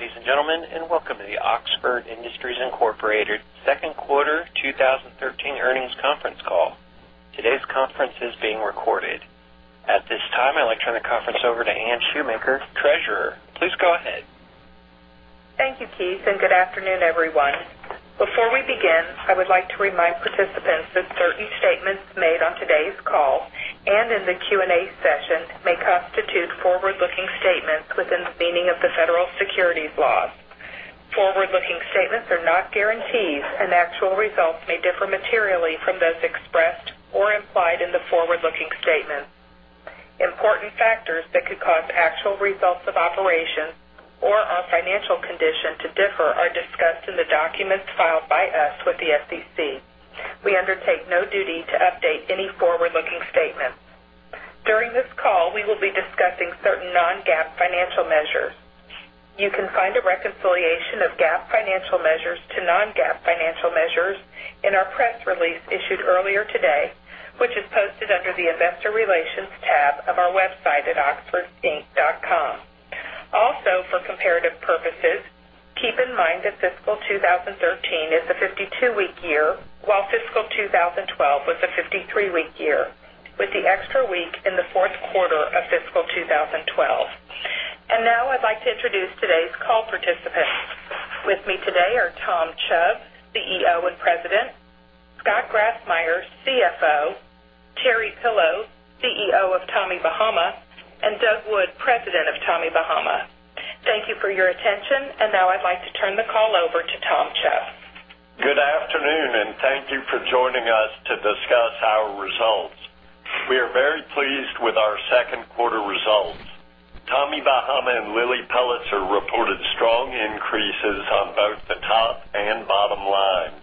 Good day, ladies and gentlemen, and welcome to the Oxford Industries, Inc. second quarter 2013 earnings conference call. Today's conference is being recorded. At this time, I'd like to turn the conference over to Anne Shoemaker, Treasurer. Please go ahead. Thank you, Keith. Good afternoon, everyone. Before we begin, I would like to remind participants that certain statements made on today's call and in the Q&A session may constitute forward-looking statements within the meaning of the federal securities laws. Forward-looking statements are not guarantees, and actual results may differ materially from those expressed or implied in the forward-looking statement. Important factors that could cause actual results of operations or our financial condition to differ are discussed in the documents filed by us with the SEC. We undertake no duty to update any forward-looking statements. During this call, we will be discussing certain non-GAAP financial measures. You can find a reconciliation of GAAP financial measures to non-GAAP financial measures in our press release issued earlier today, which is posted under the Investor Relations tab of our website at oxfordinc.com. Also, for comparative purposes, keep in mind that fiscal 2013 is a 52-week year, while fiscal 2012 was a 53-week year, with the extra week in the fourth quarter of fiscal 2012. Now I'd like to introduce today's call participants. With me today are Tom Chubb, CEO and President, Scott Grassmyer, CFO, Terry Pillow, CEO of Tommy Bahama, and Doug Wood, President of Tommy Bahama. Thank you for your attention. Now I'd like to turn the call over to Tom Chubb. Good afternoon. Thank you for joining us to discuss our results. We are very pleased with our second quarter results. Tommy Bahama and Lilly Pulitzer reported strong increases on both the top and bottom lines.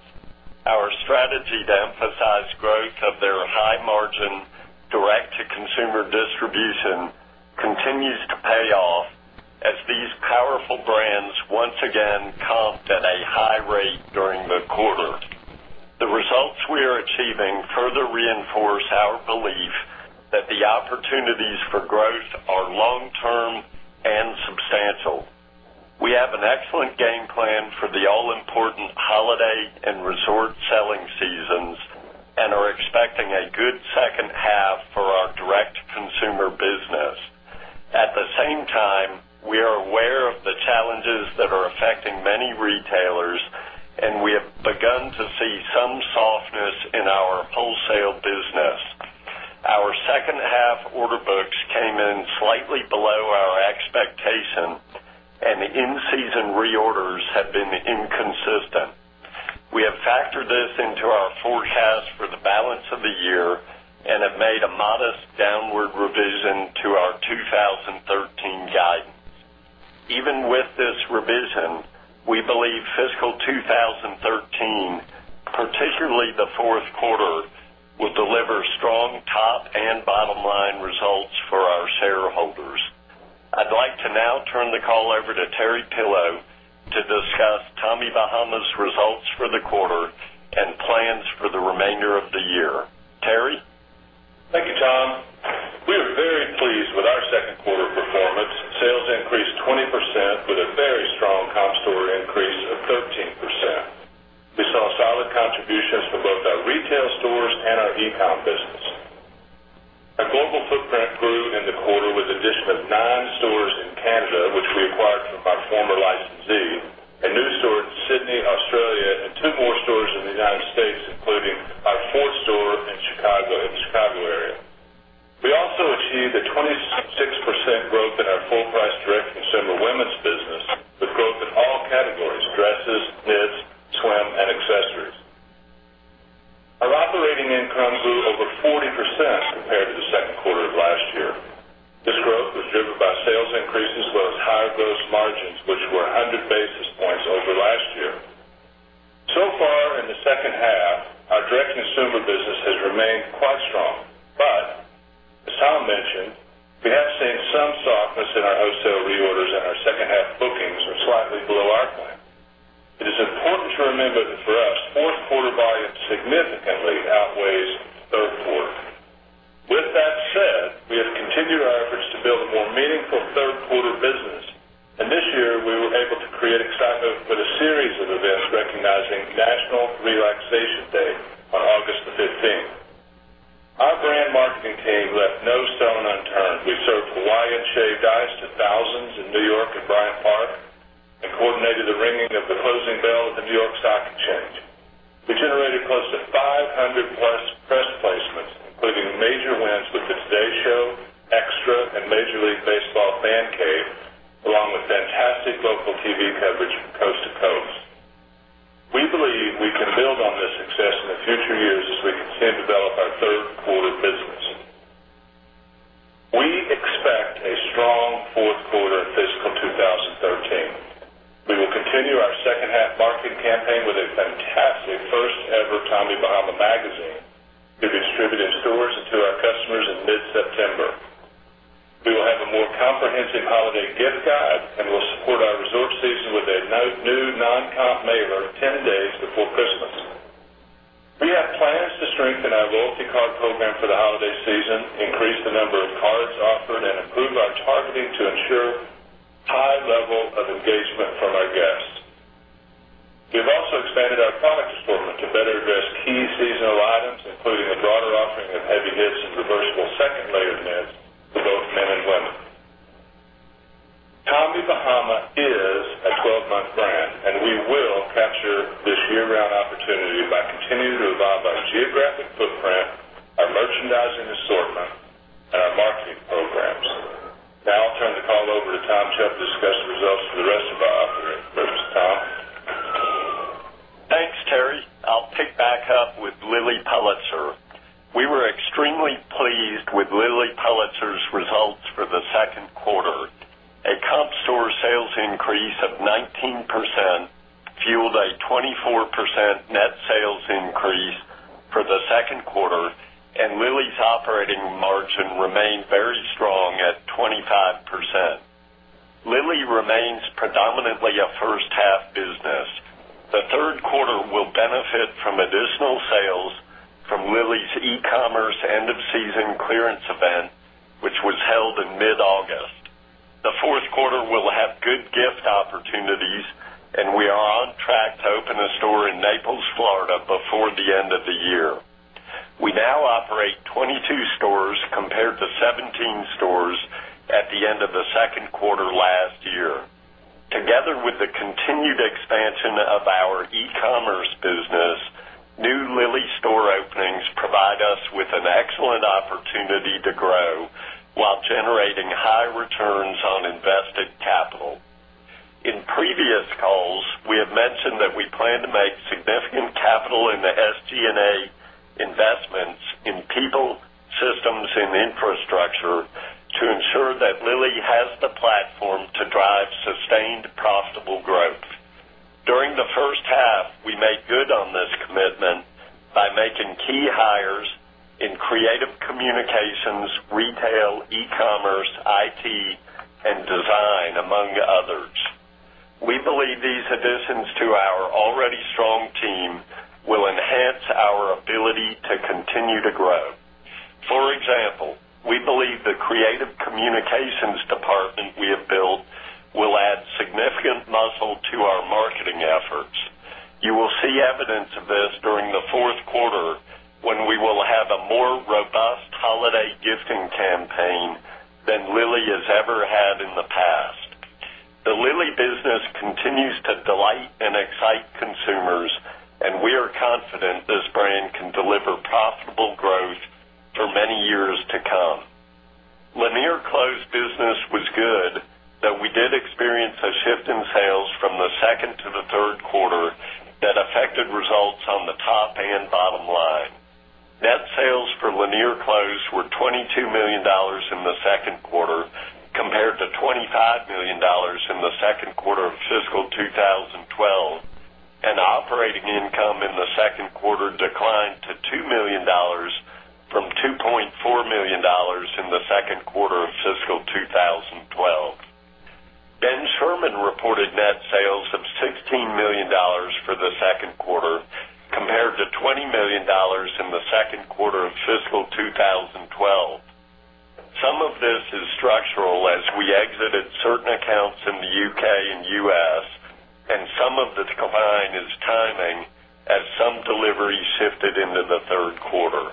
Our strategy to emphasize growth of their high margin, direct-to-consumer distribution continues to pay off as these powerful brands once again comped at a high rate during the quarter. The results we are achieving further reinforce our belief that the opportunities for growth are long-term and substantial. We have an excellent game plan for the all-important holiday and resort selling seasons and are expecting a good second half for our direct-to-consumer business. At the same time, we are aware of the challenges that are affecting many retailers. We have begun to see some softness in our wholesale business. Our second half order books came in slightly below our expectation. The in-season reorders have been inconsistent. We have factored this into our forecast for the balance of the year and have made a modest downward revision to our 2013 guidance. Even with this revision, we believe fiscal 2013, particularly the fourth quarter, will deliver strong top and bottom-line results for our shareholders. I'd like to now turn the call over to Terry Pillow to discuss Tommy Bahama's results for the quarter and plans for the remainder of the year. Terry? Thank you, Tom. We are very pleased with our second quarter performance. Sales increased 20% with a very strong comp store increase of 13%. We saw solid contributions from both our retail stores and our e-com business. Our global footprint grew in the quarter with the addition of nine stores in Canada, which we acquired from our former licensee, a new store in Sydney, Australia, and two more stores in the U.S., including our fourth store in the Chicago area. We also achieved a 26% growth in our full-price direct-to-consumer women's business, with growth in all categories: dresses, knits, swim, and accessories. Our operating income grew over 40% compared to the second quarter of last year. This growth was driven by sales increases as well as higher gross margins, which were 100 basis points over last year. Far in the second half, our direct-to-consumer business has remained quite strong. As Tom mentioned, we have seen some softness in our wholesale reorders and our second half bookings are slightly below our plan. It is important to remember that for us, fourth quarter volume significantly outweighs third quarter. With that said, we have continued our efforts to build a more meaningful third quarter business. This year we were able to create excitement with a series of events recognizing National Relaxation Day on August the 15th. Our brand marketing team left no stone unturned. We served Hawaiian shaved ice to thousands in New York and Bryant Park. Coordinated the ringing of the closing bell at the New York Stock Exchange, which generated close to 500-plus press placements, including major wins with the Today Show, Extra, and Major League Baseball Fan Cave, along with fantastic local TV coverage from coast to coast. We believe we can build on this success in the future years as we continue to develop our third quarter business. We expect a strong fourth quarter in fiscal 2013. We will continue our second-half marketing campaign with a fantastic first-ever Tommy Bahama magazine to be distributed in stores and to our customers in mid-September. We will have a more comprehensive holiday gift guide and will support our resort season with a new non-comp mailer 10 days before Christmas. For cards offered and improved our targeting to ensure high level of engagement from our guests. We have also expanded our product assortment to better address key seasonal items, including a broader offering of heavy knits and reversible second layer knits for both men and women. Tommy Bahama is a 12-month brand, and we will capture this year-round opportunity by continuing to evolve our geographic footprint, our merchandising assortment, and our marketing programs. Now I'll turn the call over to Tom Chubb to discuss the results for the rest of our operating groups. Tom? Thanks, Terry. I'll pick back up with Lilly Pulitzer. We were extremely pleased with Lilly Pulitzer's results for the second quarter. A comp store sales increase of 19% fueled a 24% net sales increase for the second quarter, and Lilly's operating margin remained very strong at 25%. Lilly remains predominantly a first half business. The third quarter will benefit from additional sales from Lilly's e-commerce end of season clearance event, which was held in mid-August. The fourth quarter will have good gift opportunities, and we are on track to open a store in Naples, Florida before the end of the year. We now operate 22 stores compared to 17 stores at the end of the second quarter last year. Together with the continued expansion of our e-commerce business, new Lilly store openings provide us with an excellent opportunity to grow while generating high returns on invested capital. In previous calls, we have mentioned that we plan to make significant capital in the SG&A investments in people, systems, and infrastructure to ensure that Lilly has the platform to drive sustained, profitable growth. During the first half, we made good on this commitment by making key hires in creative communications, retail, e-commerce, IT, and design, among others. We believe these additions to our already strong team will enhance our ability to continue to grow. For example, we believe the creative communications department we have built will add significant muscle to our marketing efforts. You will see evidence of this during the fourth quarter, when we will have a more robust holiday gifting campaign than Lilly has ever had in the past. The Lilly business continues to delight and excite consumers, and we are confident this brand can deliver profitable growth for many years to come. Lanier Clothes business was good, though we did experience a shift in sales from the second to the third quarter that affected results on the top and bottom line. Net sales for Lanier Clothes were $22 million in the second quarter, compared to $25 million in the second quarter of fiscal 2012, and operating income in the second quarter declined to $2 million from $2.4 million in the second quarter of fiscal 2012. Ben Sherman reported net sales of $16 million for the second quarter, compared to $20 million in the second quarter of fiscal 2012. Some of this is structural as we exited certain accounts in the U.K. and U.S., and some of the decline is timing as some deliveries shifted into the third quarter.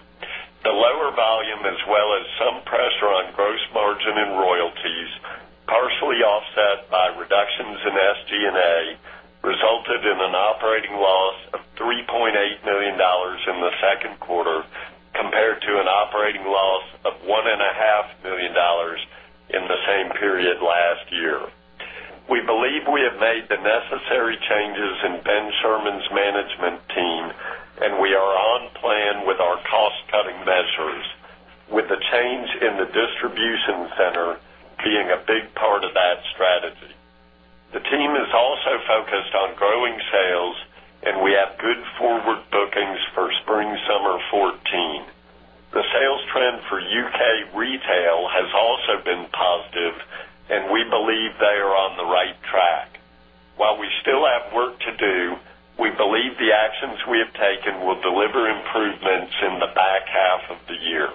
The lower volume as well as some pressure on gross margin and royalties, partially offset by reductions in SG&A, resulted in an operating loss of $3.8 million in the second quarter compared to an operating loss of $1.5 million in the same period last year. We believe we have made the necessary changes in Ben Sherman's management team. We are on plan with our cost-cutting measures, with the change in the distribution center being a big part of that strategy. The team is also focused on growing sales. We have good forward bookings for spring/summer 2014. The sales trend for U.K. retail has also been positive. We believe they are on the right track. While we still have work to do, we believe the actions we have taken will deliver improvements in the back half of the year.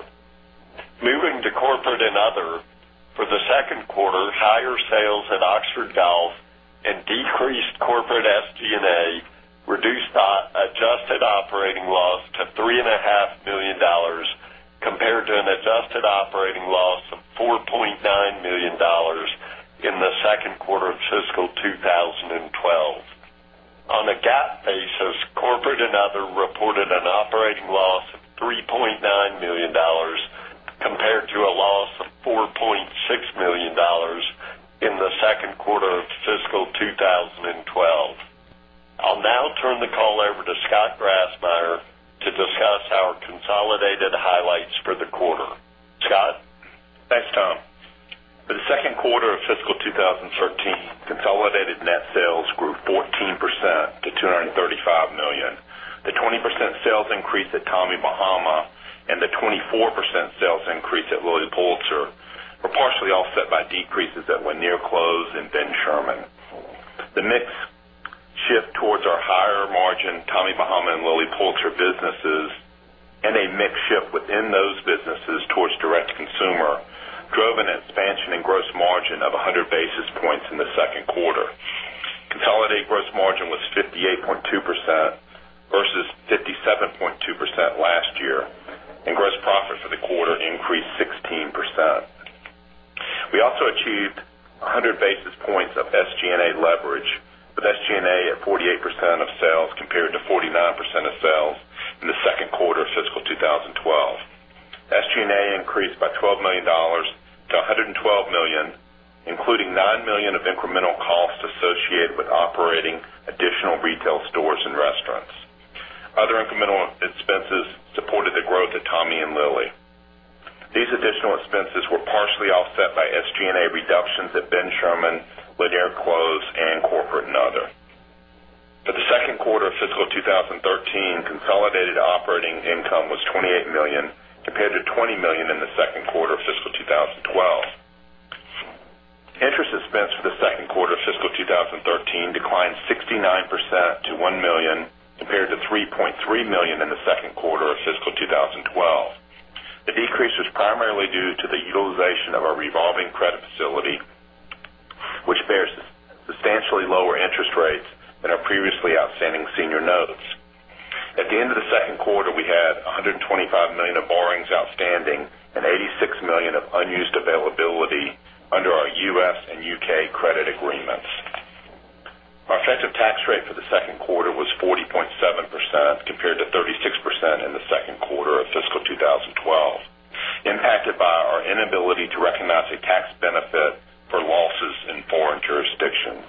Moving to corporate and other, for the second quarter, higher sales at Oxford Golf and decreased corporate SG&A reduced our adjusted operating loss to $3.5 million compared to an adjusted operating loss of $4.9 million in the second quarter of fiscal 2012. On a GAAP basis, corporate and other reported an operating loss of $3.9 million compared to a loss of $4.6 million in the second quarter of fiscal 2012. I'll now turn the call over to Scott Grassmyer to discuss our consolidated highlights for the quarter. Scott? Thanks, Tom. For the second quarter of fiscal 2013, consolidated net sales grew 14% to $235 million. The 20% sales increase at Tommy Bahama and the 24% sales increase at Lilly Pulitzer were partially offset by decreases at Lanier Clothes and Ben Sherman. The mix Tommy Bahama and Lilly Pulitzer businesses and a mix shift within those businesses towards direct-to-consumer drove an expansion in gross margin of 100 basis points in the second quarter. Consolidated gross margin was 58.2% versus 57.2% last year. Gross profits for the quarter increased 16%. We also achieved 100 basis points of SG&A leverage, with SG&A at 48% of sales compared to 49% of sales in the second quarter of fiscal 2012. SG&A increased by $12 million to $112 million, including $9 million of incremental costs associated with operating additional retail stores and restaurants. Other incremental expenses supported the growth of Tommy and Lilly. These additional expenses were partially offset by SG&A reductions at Ben Sherman, Lanier Clothes, and Corporate and Other. For the second quarter of fiscal 2013, consolidated operating income was $28 million, compared to $20 million in the second quarter of fiscal 2012. Interest expense for the second quarter of fiscal 2013 declined 69% to $1 million, compared to $3.3 million in the second quarter of fiscal 2012. The decrease was primarily due to the utilization of our revolving credit facility, which bears substantially lower interest rates than our previously outstanding senior notes. At the end of the second quarter, we had $125 million of borrowings outstanding and $86 million of unused availability under our U.S. and U.K. credit agreements. Our effective tax rate for the second quarter was 40.7%, compared to 36% in the second quarter of fiscal 2012, impacted by our inability to recognize a tax benefit for losses in foreign jurisdictions.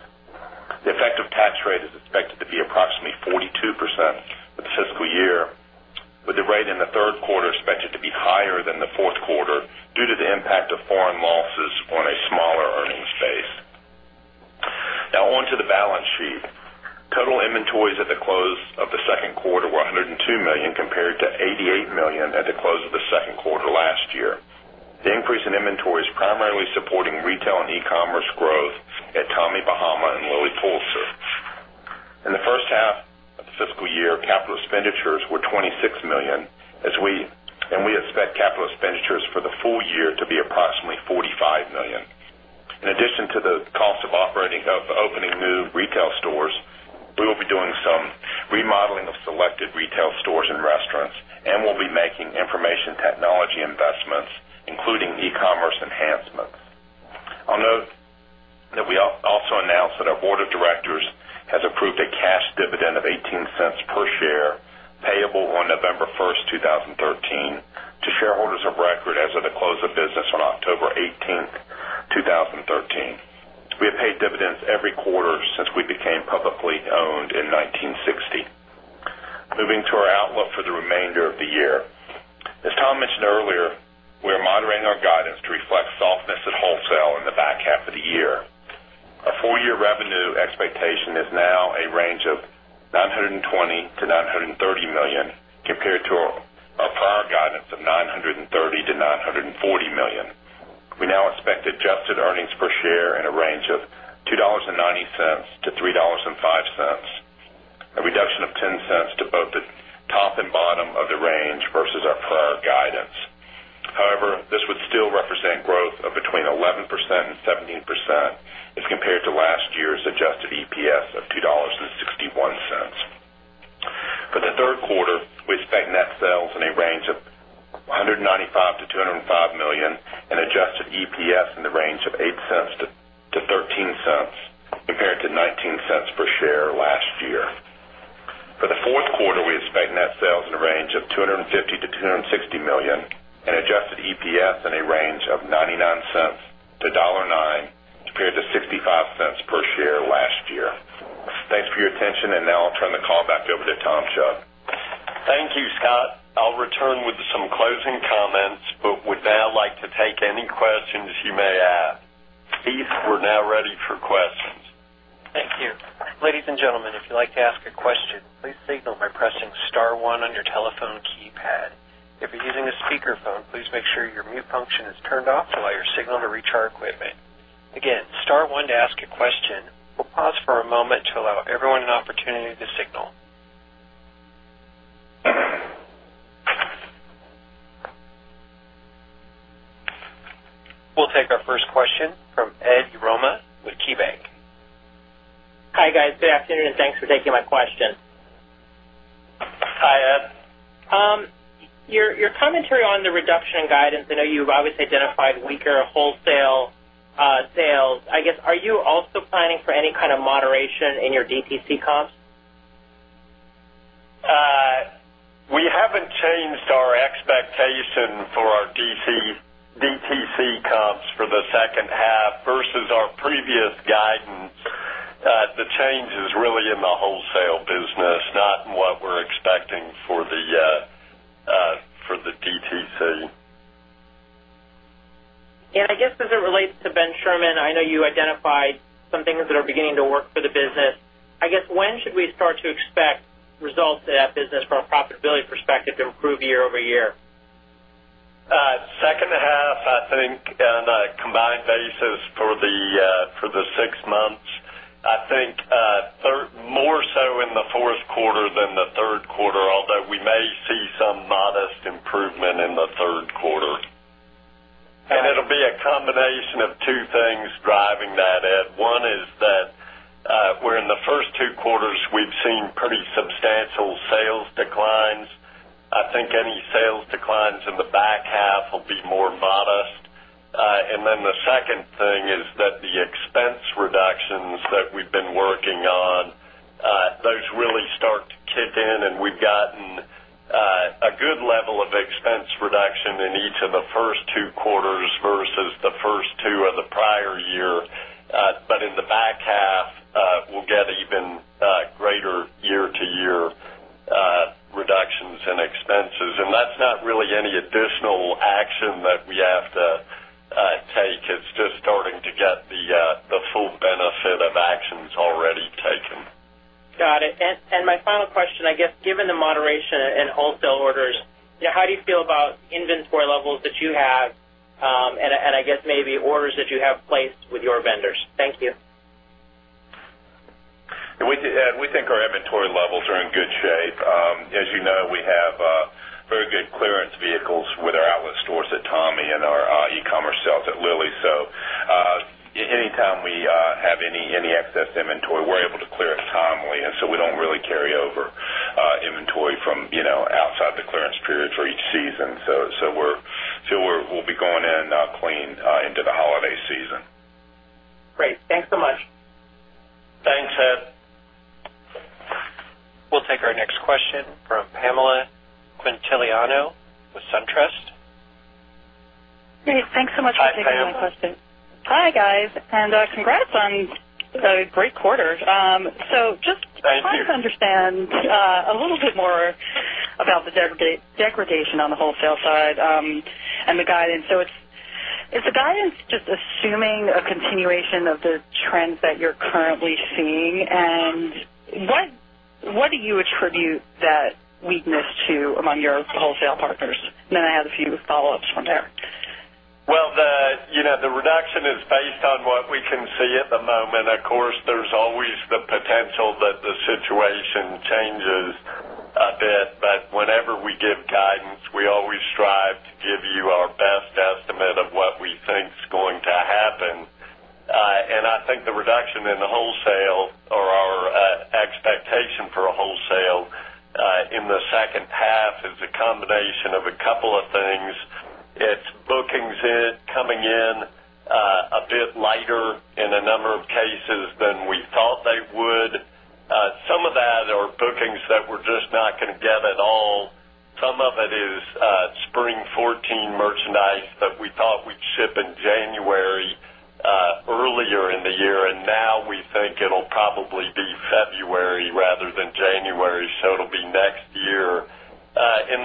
The effective tax rate is expected to be approximately 42% for the fiscal year, with the rate in the third quarter expected to be higher than the fourth quarter due to the impact of foreign losses on a smaller earnings base. On to the balance sheet. Total inventories at the close of the second quarter were $102 million compared to $88 million at the close of the second quarter last year. The increase in inventories primarily supporting retail and e-commerce growth at Tommy Bahama and Lilly Pulitzer. In the first half of the fiscal year, capital expenditures were $26 million, and we expect capital expenditures for the full year to be approximately $45 million. In addition to the cost of opening new retail stores, we will be doing some remodeling of selected retail stores and restaurants and will be making information technology investments, including e-commerce enhancements. I'll note that we also announced that our board of directors has approved a cash dividend of $0.18 per share, payable on November 1st, 2013, to shareholders of record as of the close of business on October 18th, 2013. We have paid dividends every quarter since we became publicly owned in 1960. To our outlook for the remainder of the year. As Tom mentioned earlier, we are moderating our guidance to reflect softness at wholesale in the back half of the year. Our full-year revenue expectation is now a range of $920 million-$930 million, compared to our prior guidance of $930 million-$940 million. We now expect adjusted earnings per share in a range of $2.90-$3.05, a reduction of $0.10 to both the top and bottom of the range versus our prior guidance. This would still represent growth of between 11% and 17% as compared to last year's adjusted EPS of $2.61. For the third quarter, we expect net sales in a range of $195 million-$205 million and adjusted EPS in the range of $0.08-$0.13, compared to $0.19 per share last year. For the fourth quarter, we expect net sales in a range of $250 million-$260 million and adjusted EPS in a range of $0.99-$1.09, compared to $0.65 per share last year. Thanks for your attention. I'll turn the call back over to Tom Chubb. Thank you, Scott. I'll return with some closing comments, but would now like to take any questions you may have. Keith, we're now ready for questions. Thank you. Ladies and gentlemen, if you'd like to ask a question, please signal by pressing *1 on your telephone keypad. If you're using a speakerphone, please make sure your mute function is turned off to allow your signal to reach our equipment. Again, *1 to ask a question. We'll pause for a moment to allow everyone an opportunity to signal. We'll take our first question from Ed Yruma with KeyBanc Capital Markets. Hi, guys. Good afternoon, and thanks for taking my question. Hi, Ed. Your commentary on the reduction in guidance, I know you've obviously identified weaker wholesale sales. Are you also planning for any kind of moderation in your DTC comps? We haven't changed our expectation for our DTC comps for the second half versus our previous guidance. The change is really in the wholesale business, not in what we're expecting for the DTC. I guess as it relates to Ben Sherman, I know you identified some things that are beginning to work for the business. When should we start to expect results at that business from a profitability perspective to improve year-over-year? On a combined basis for the six months, I think more so in the fourth quarter than the third quarter, although we may see some modest improvement in the third quarter. It'll be a combination of two things driving that, Ed. One is that where in the first two quarters we've seen pretty substantial sales declines. I think any sales declines in the back half will be more modest. The second thing is that the expense reductions that we've been working on, those really start to kick in, and we've gotten a good level of expense reduction in each of the first two quarters versus the first two of the prior year. In the back half, we'll get even greater year-to-year reductions in expenses. That's not really any additional action that we have to take. It's just starting to get the full benefit of actions already taken. Got it. My final question, I guess, given the moderation in wholesale orders, how do you feel about inventory levels that you have and I guess maybe orders that you have placed with your vendors? Thank you. Ed, we think our inventory levels are in good shape. As you know, we have very good clearance vehicles with our outlet stores at Tommy and our e-commerce sales at Lilly. Anytime we have any excess inventory, we're able to clear it timely, and so we don't really carry over inventory from outside the clearance period for each season. We'll be going in clean into the holiday season. Great. Thanks so much. Thanks, Ed. We'll take our next question from Pamela Quintiliano with SunTrust. Great. Thanks so much for taking my question. Hi, Pam. Hi, guys, congrats on the great quarter. Thank you. Just trying to understand a little bit more about the degradation on the wholesale side and the guidance. Is the guidance just assuming a continuation of the trends that you're currently seeing? What do you attribute that weakness to among your wholesale partners? I have a few follow-ups from there. Well, the reduction is based on what we can see at the moment. Of course, there's always the potential that the situation changes a bit. Whenever we give guidance, we always strive to give you our best estimate of what we think is going to happen. I think the reduction in the wholesale or our expectation for a wholesale in the second half is a combination of a couple of things. It's bookings coming in a bit lighter in a number of cases than we thought they would. Some of that are bookings that we're just not going to get at all. Some of it is spring 2014 merchandise that we thought we'd ship in January, earlier in the year, and now we think it'll probably be February rather than January, so it'll be next year.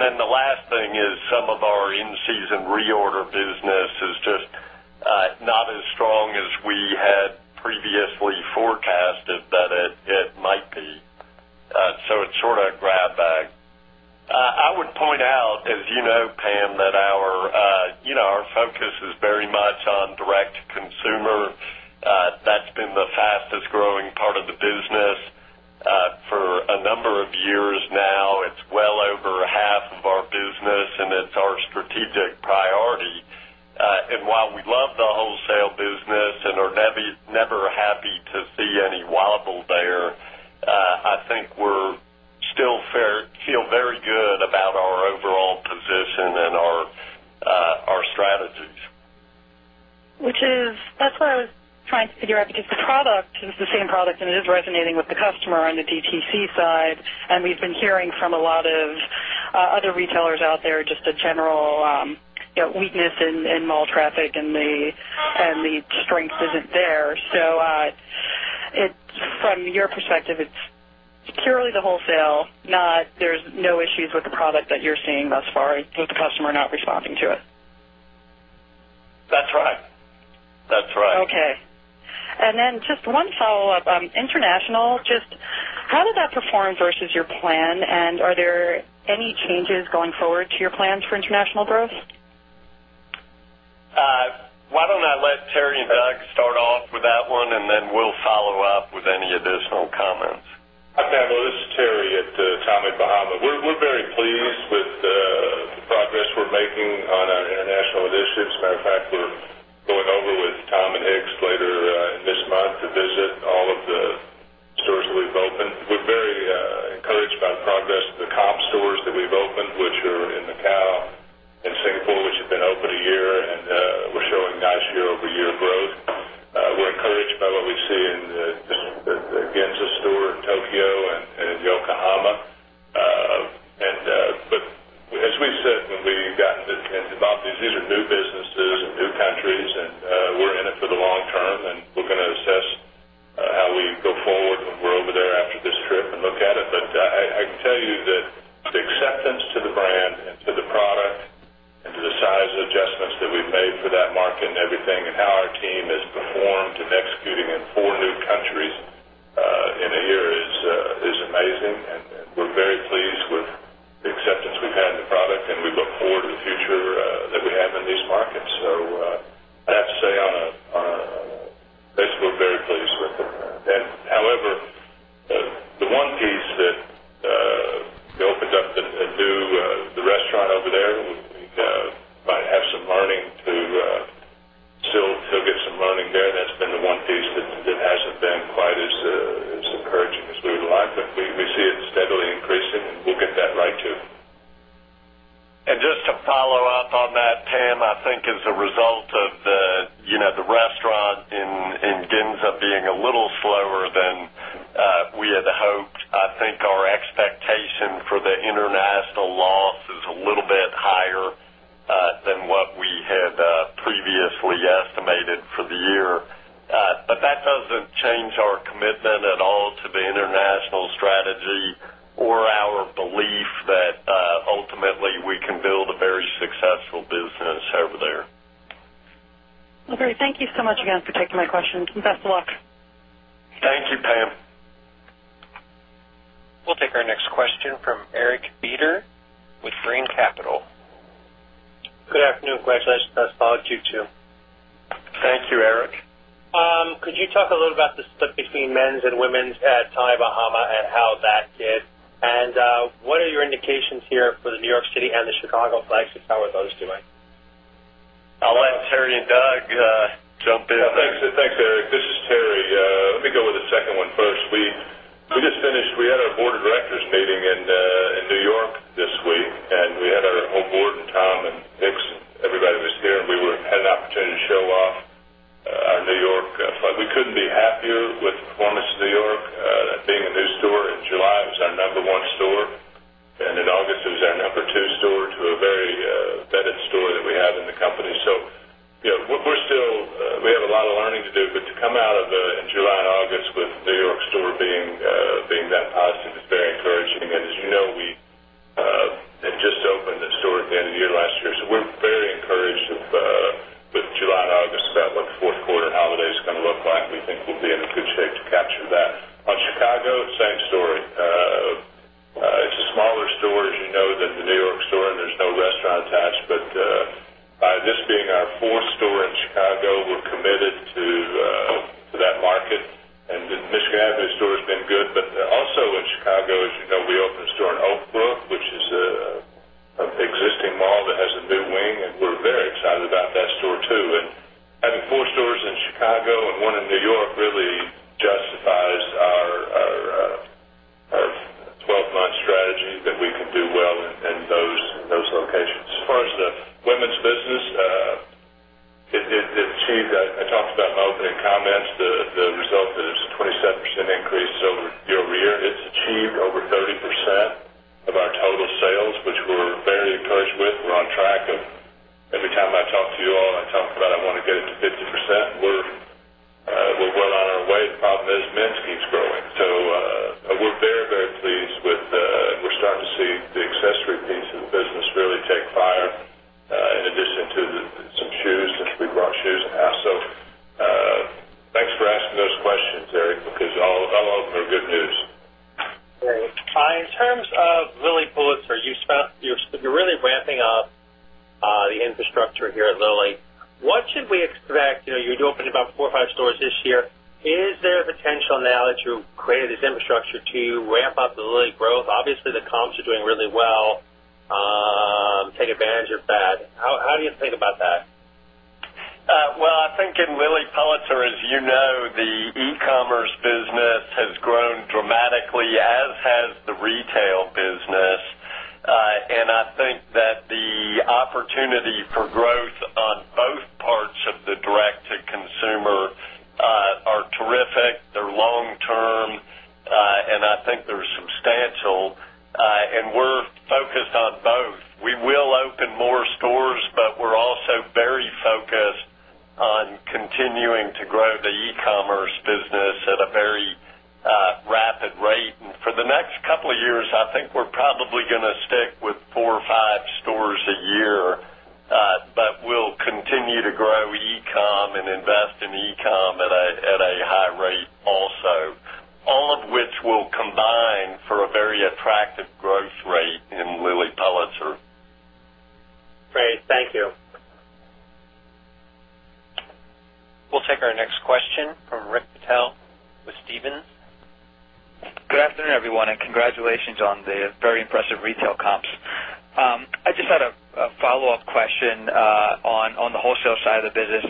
The last thing is some of our in-season reorder business is just not as strong as we had previously forecasted that it might be. It's sort of grab bag. I would point out, as you know, Pam, that our focus is very much on direct-to-consumer. That's been the fastest growing part of the business for a number of years now. It's well over half of our business, and it's our strategic priority. While we love the wholesale business and are never happy to see any wobble there, I think we feel very good about our overall position and our strategies. That's what I was trying to figure out because the product is the same product and it is resonating with the customer on the DTC side. We've been hearing from a lot of other retailers out there, just a general weakness in mall traffic and the strength isn't there. From your perspective, it's purely the wholesale, there's no issues with the product that you're seeing thus far. It's the customer not responding to it. That's right. Okay. Just one follow-up. International, just how did that perform versus your plan? Are there any changes going forward to your plans for international growth? Why don't I let Terry and Doug start off with that one, and then we'll follow up with any additional comments. Hi, Pamela, this is Terry at Tommy Bahama. We're very pleased with the progress we're making on our international initiatives. Matter of fact, we're going over with Tom and Hicks later this month to visit all of the stores that we've opened. We're very encouraged by the progress of the comp stores that we've opened, which are in Macau and Singapore, which have been open a year, and we're showing nice year-over-year growth. We're encouraged by what we see in the Ginza store in Tokyo and Yokohama. As we've said when we got involved, these are new businesses and new countries, and we're in it for the long term, and we're going to assess how we go forward when we're over there after this trip and look at it. I can tell you that the acceptance to the brand and to the product and to the size adjustments that we've made for that market and everything and how our team has performed in executing in four new countries in a year. We're very pleased with the acceptance we've had in the product, and we look forward to the future that we have in these markets. I have to say on a base, we're very pleased with it. However, the one piece that we opened up, the restaurant over there, we might have some learning to still get some learning there. That's been the one piece that hasn't been quite as encouraging as we would like. We see it steadily increasing, and we'll get that right, too. Just to follow up on that, Pam, I think as a result of the restaurant in Ginza being a little slower than we had hoped, I think our expectation for the international loss is a little bit higher than what we had previously estimated for the year. That doesn't change our commitment at all to the international strategy or our belief that ultimately we can build a very successful business over there. Well, great. Thank you so much again for taking my question. Best of luck. Thank you, Pam. We'll take our next question from Eric Beder with Brean Capital. Good afternoon. Congratulations. Best quarter Q2. Thank you, Eric. Could you talk a little about the split between men's and women's at Tommy Bahama and how that did? What are your indications here for the New York City and the Chicago flags? How are those doing? I'll let Terry and Doug jump in. Thanks, Eric. This is Terry. Let me go with the second one first. We just finished. We had our board of directors meeting in New York this week. We had our whole board and Tom and Nick, everybody was here, and we had an opportunity to show off our New York. We couldn't be happier with the performance of New York. Being a new store in July, it was our number 1 store, and in August, it was our number 2 store to a very vetted store that we have in the company. We have a lot of learning to do, but to come out of the July and August with New York store being that positive is very encouraging. As you know, we had just opened the store at the end of the year last year. We're very encouraged with July and August about what the fourth quarter holiday is going to look like. We think we'll be in a good shape to capture that. On Chicago, same story. It's a smaller store, as you know, than the New York store, and there's no restaurant attached. This being our fourth store in Chicago, we're committed to that market. The Michigan Avenue store has been good. Also in Chicago, as you know, we opened a store in Oak Brook, which is an existing mall that has a new wing, and we're very excited about that store, too. Having four stores in Chicago and one in New York really justifies our 12-month strategy that we can do well in those locations. As far as the women's business, it achieved, I talked about in my opening comments, the result that it's a 26% increase year-over-year. It's achieved over 30% of our total sales, which we're very encouraged with. We're on track of every time I talk to you all, I talk about I want to get it to 50%. We're well on our way. The problem is men's keeps growing. We're very, very pleased with and we're starting to see the accessory piece of the business really take fire in addition to some shoes, since we brought shoes in-house. Thanks for asking those questions, Eric, because all of them are good news. Great. In terms of Lilly Pulitzer, you're really ramping up the infrastructure here at Lilly. What should we expect? You're opening about four or five stores this year. Is there potential now that you've created this infrastructure to ramp up the Lilly growth? Obviously, the comps are doing really well. Take advantage of that. How do you think about that? Well, I think in Lilly Pulitzer, as you know, the e-commerce business has grown dramatically, as has the retail business. I think that the opportunity for growth on both parts of the direct-to-consumer are terrific. They're long-term, and I think they're substantial. We're focused on both. We will open more stores, but we're also very focused on continuing to grow the e-commerce business at a very rapid rate. For the next couple of years, I think we're probably going to stick with four or five stores a year, but we'll continue to grow e-com and invest in e-com at a high rate also. All of which will combine for a very attractive growth rate in Lilly Pulitzer. Great. Thank you. We'll take our next question from Rick Patel with Stephens. Good afternoon, everyone, and congratulations on the very impressive retail comps. I just had a follow-up question on the wholesale side of the business.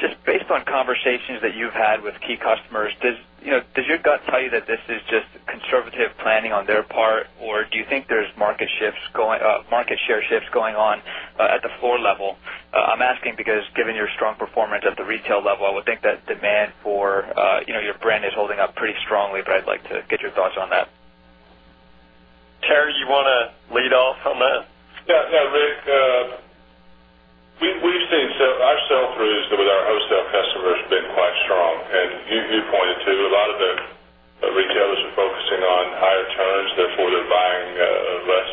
Just based on conversations that you've had with key customers, does your gut tell you that this is just conservative planning on their part, or do you think there's market share shifts going on at the floor level? I'm asking because given your strong performance at the retail level, I would think that demand for your brand is holding up pretty strongly, but I'd like to get your thoughts on that. Terry, you want to lead off on that? Yeah, Rick. Our sell-through with our wholesale customers has been quite strong. You pointed to a lot of the retailers are focusing on higher turns, therefore they're buying less.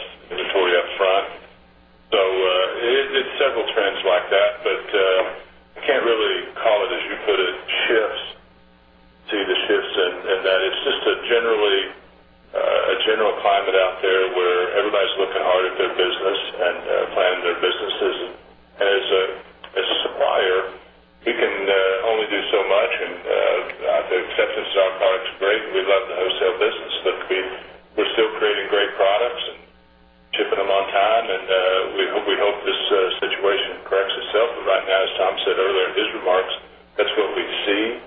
See the shifts and that it's just a general climate out there where everybody's looking hard at their business and planning their businesses. As a supplier, we can only do so much and the acceptance of our product's great, and we love the wholesale business. We're still creating great products and shipping them on time, and we hope this situation corrects itself. Right now, as Tom said earlier in his remarks, that's what we see.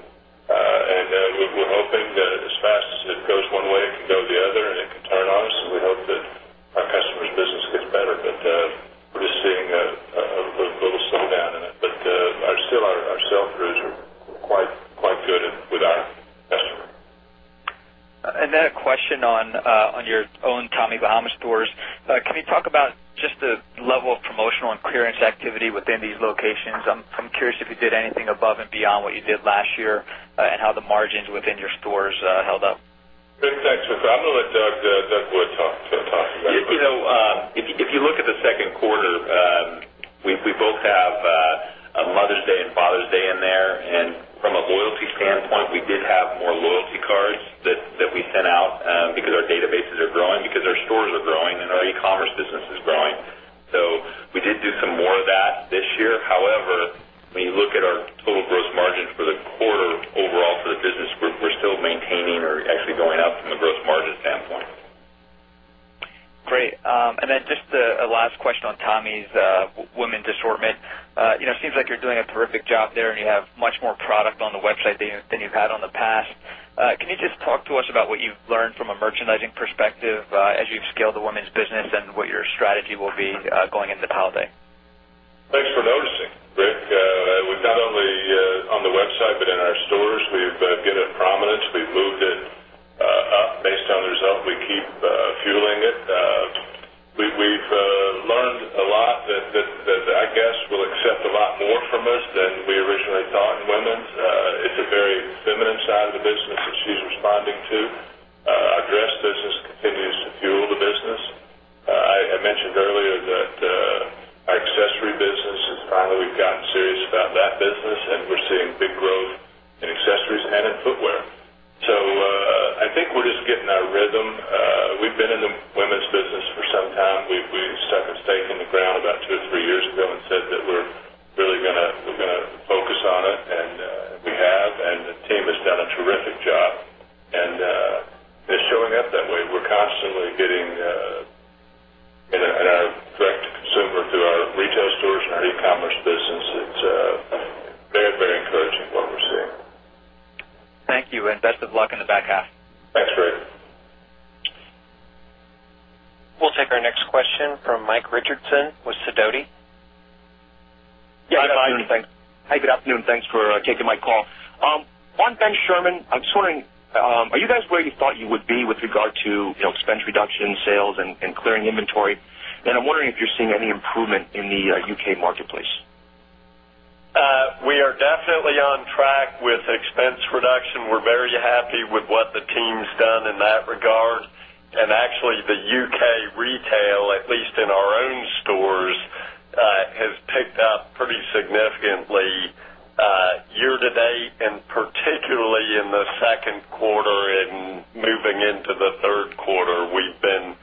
We're hoping that as fast as it goes one way, it can go the other, and it can turn on us, and we hope that our customers' business gets better. We're just seeing a little slowdown in it. Still, our sell-throughs are quite good with our customer. A question on your own Tommy Bahama stores. Can you talk about just the level of promotional and clearance activity within these locations? I'm curious if you did anything above and beyond what you did last year and how the margins within your stores held up. Good question. I'm going to let Doug Wood talk about that. If you look at the second quarter, we both have Mother's Day and Father's Day in there, from a loyalty standpoint, we did have more loyalty cards that we sent out because our databases are growing, because our stores are growing, and our e-commerce business is growing. We did do some more of that this year. However, when you look at our total gross margins for the quarter overall for the business group, we're still maintaining or actually going up from a gross margin standpoint. Great. Just a last question on Tommy's women's assortment. Seems like you're doing a terrific job there and you have much more product on the website than you've had on the past. Can you just talk to us about what you've learned from a merchandising perspective as you've scaled the women's business and what your strategy will be going into the holiday? Thanks for noticing, Rick. We've not only on the website but in our stores, we've given it prominence. We've moved it up based on the result. We keep fueling it. We've learned a lot that our guests will accept a lot more from us than we originally thought in women's. It's a very feminine side of the business that she's responding to. Our dress business continues to fuel the business. I mentioned earlier that our accessory business has finally gotten serious about that business, and we're seeing big growth in accessories and in footwear. I think we're just getting our rhythm. We've been in the women's business for some time. We stuck a stake in the ground about two or three years ago and said that we're really going to focus on it, and we have, and the team has done a terrific job. It's showing up that way. We're constantly getting in our direct-to-consumer through our retail stores and our e-commerce business. It's very encouraging what we're seeing. Thank you. Best of luck in the back half. Thanks, Rick. We'll take our next question from Mike Richardson with Sidoti. Hi, Mike. Good afternoon, thanks. Hi, good afternoon. Thanks for taking my call. On Ben Sherman, I'm just wondering, are you guys where you thought you would be with regard to expense reduction, sales, and clearing inventory? I'm wondering if you're seeing any improvement in the U.K. marketplace. We are definitely on track with expense reduction. We're very happy with what the team's done in that regard. Actually, the U.K. retail, at least in our own stores, has picked up pretty significantly year to date, particularly in the second quarter and moving into the third quarter. We've been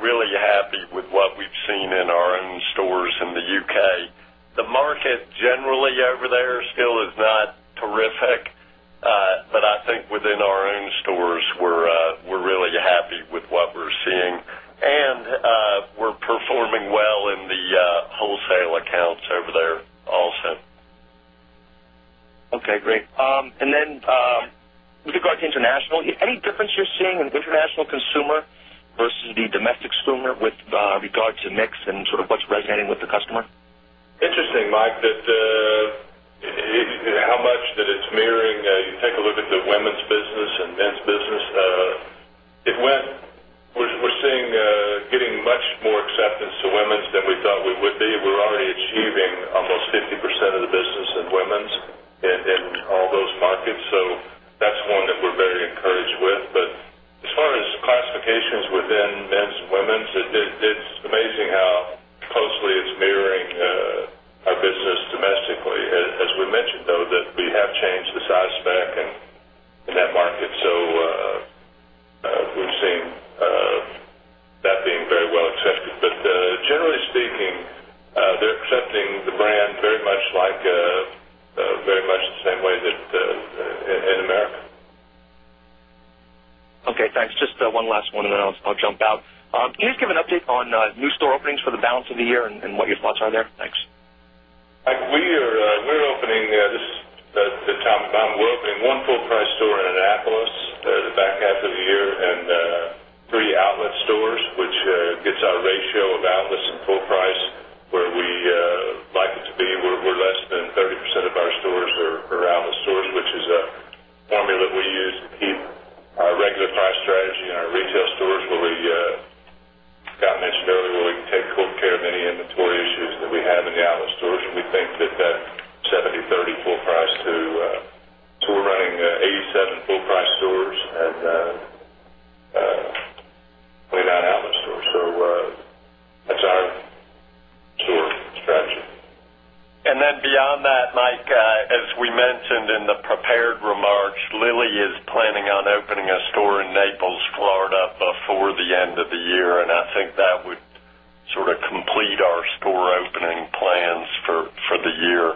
really happy with what we've seen in our own stores in the U.K. The market generally over there still is not terrific. I think within our own stores, we're really happy with what we're seeing. We're performing well in the wholesale accounts over there also. Okay, great. With regard to international, any difference you're seeing in international consumer versus the domestic consumer with regards to mix and sort of what's resonating with the customer? Interesting, Mike, how much that it's mirroring. You take a look at the women's business and men's business. We're seeing getting much more acceptance to women's than we thought we would be. We're already achieving almost 50% and three outlet stores, which gets our ratio of outlets and full price where we like it to be, where less than 30% of our stores are outlet stores, which is a formula that we use to keep our regular price strategy in our retail stores where we, Scott mentioned earlier, where we can take full care of any inventory issues that we have in the outlet stores. We think that that 70/30 full price. We're running 87 full-price stores. Beyond that, Mike, as we mentioned in the prepared remarks, Lilly is planning on opening a store in Naples, Florida before the end of the year. I think that would sort of complete our store opening plans for the year.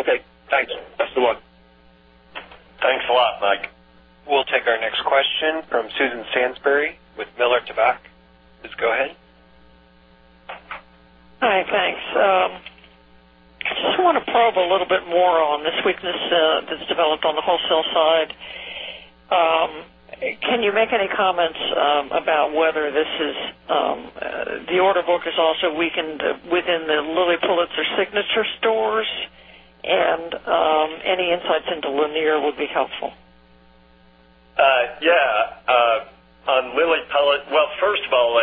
Okay, thanks. That's the one. Thanks a lot, Mike. We'll take our next question from Susan Sansbury with Miller Tabak. Please go ahead. Hi. Thanks. I just want to probe a little bit more on this weakness that's developed on the wholesale side. Can you make any comments about whether the order book is also weakened within the Lilly Pulitzer signature stores? Any insights into Lanier would be helpful. Yeah. On Lilly Pulitzer, well, first of all,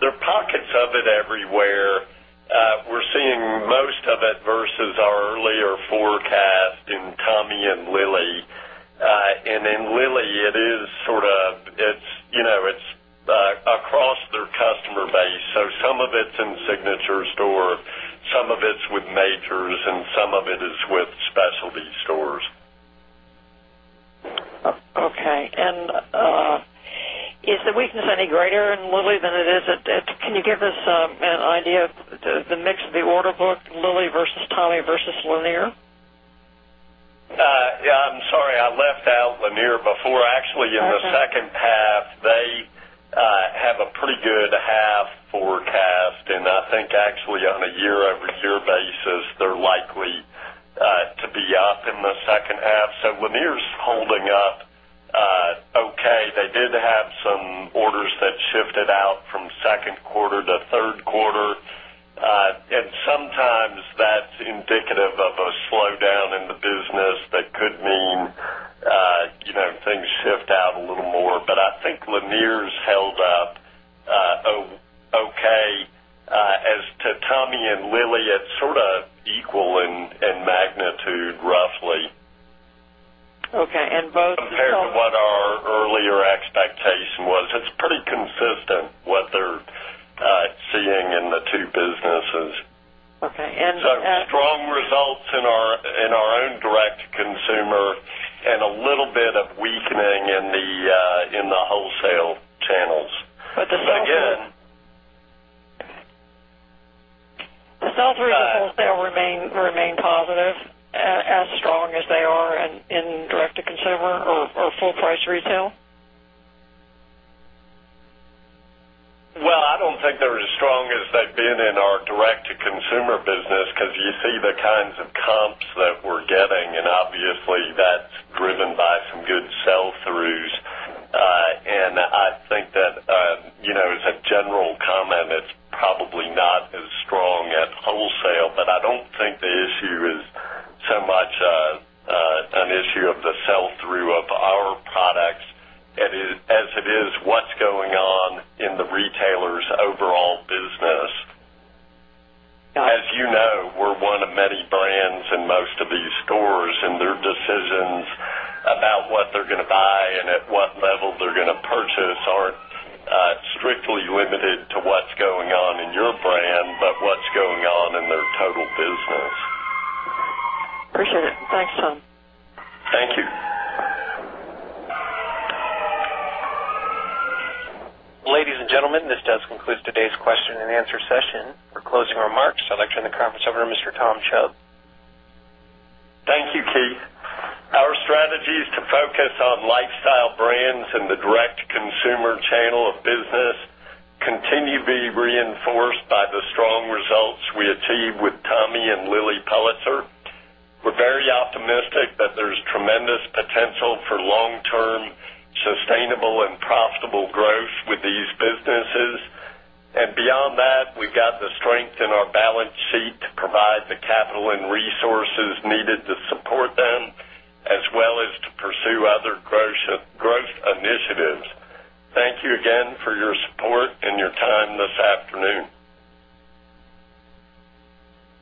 there are pockets of it everywhere. We're seeing most of it versus our earlier forecast in Tommy and Lilly. In Lilly, it's across their customer base. Some of it's in signature store, some of it's with majors, and some of it is with specialty stores. Okay. Is the weakness any greater in Lilly than it is at Can you give us an idea of the mix of the order book, Lilly versus Tommy versus Lanier? Yeah. I'm sorry, I left out Lanier before. Actually, in the second half, they have a pretty good half forecast. I think actually on a year-over-year basis, they're likely to be up in the second half. Lanier's holding up okay. They did have some orders that shifted out from second quarter to third quarter. Sometimes that's indicative of a slowdown in the business. That could mean things shift out a little more. I think Lanier's held up okay. As to Tommy and Lilly, it's sort of equal in magnitude, roughly. Okay. Both- Compared to what our earlier expectation was, it's pretty consistent what they're seeing in the two businesses. Okay. Strong results in our own direct-to-consumer, and a little bit of weakening in the wholesale channels. The sell-through to wholesale remain positive, as strong as they are in direct-to-consumer or full-price retail? I don't think they're as strong as they've been in our direct-to-consumer business, because you see the kinds of comps that we're getting, and obviously, that's driven by some good sell-throughs. I think that, as a general comment, it's probably not as strong at wholesale. I don't think the issue is so much an issue of the sell-through of our products, as it is what's going on in the retailer's overall business. As you know, we're one of many brands in most of these stores, and their decisions about what they're going to buy and at what level they're going to purchase aren't strictly limited to what's going on in your brand, but what's going on in their total business. Appreciate it. Thanks, Tom. Thank you. Ladies and gentlemen, this does conclude today's question and answer session. For closing remarks, I'd like to turn the conference over to Mr. Tom Chubb. Thank you, Keith. Our strategies to focus on lifestyle brands and the direct-to-consumer channel of business continue to be reinforced by the strong results we achieve with Tommy and Lilly Pulitzer. We're very optimistic that there's tremendous potential for long-term, sustainable, and profitable growth with these businesses. Beyond that, we've got the strength in our balance sheet to provide the capital and resources needed to support them, as well as to pursue other growth initiatives. Thank you again for your support and your time this afternoon.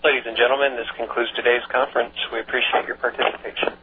Ladies and gentlemen, this concludes today's conference. We appreciate your participation.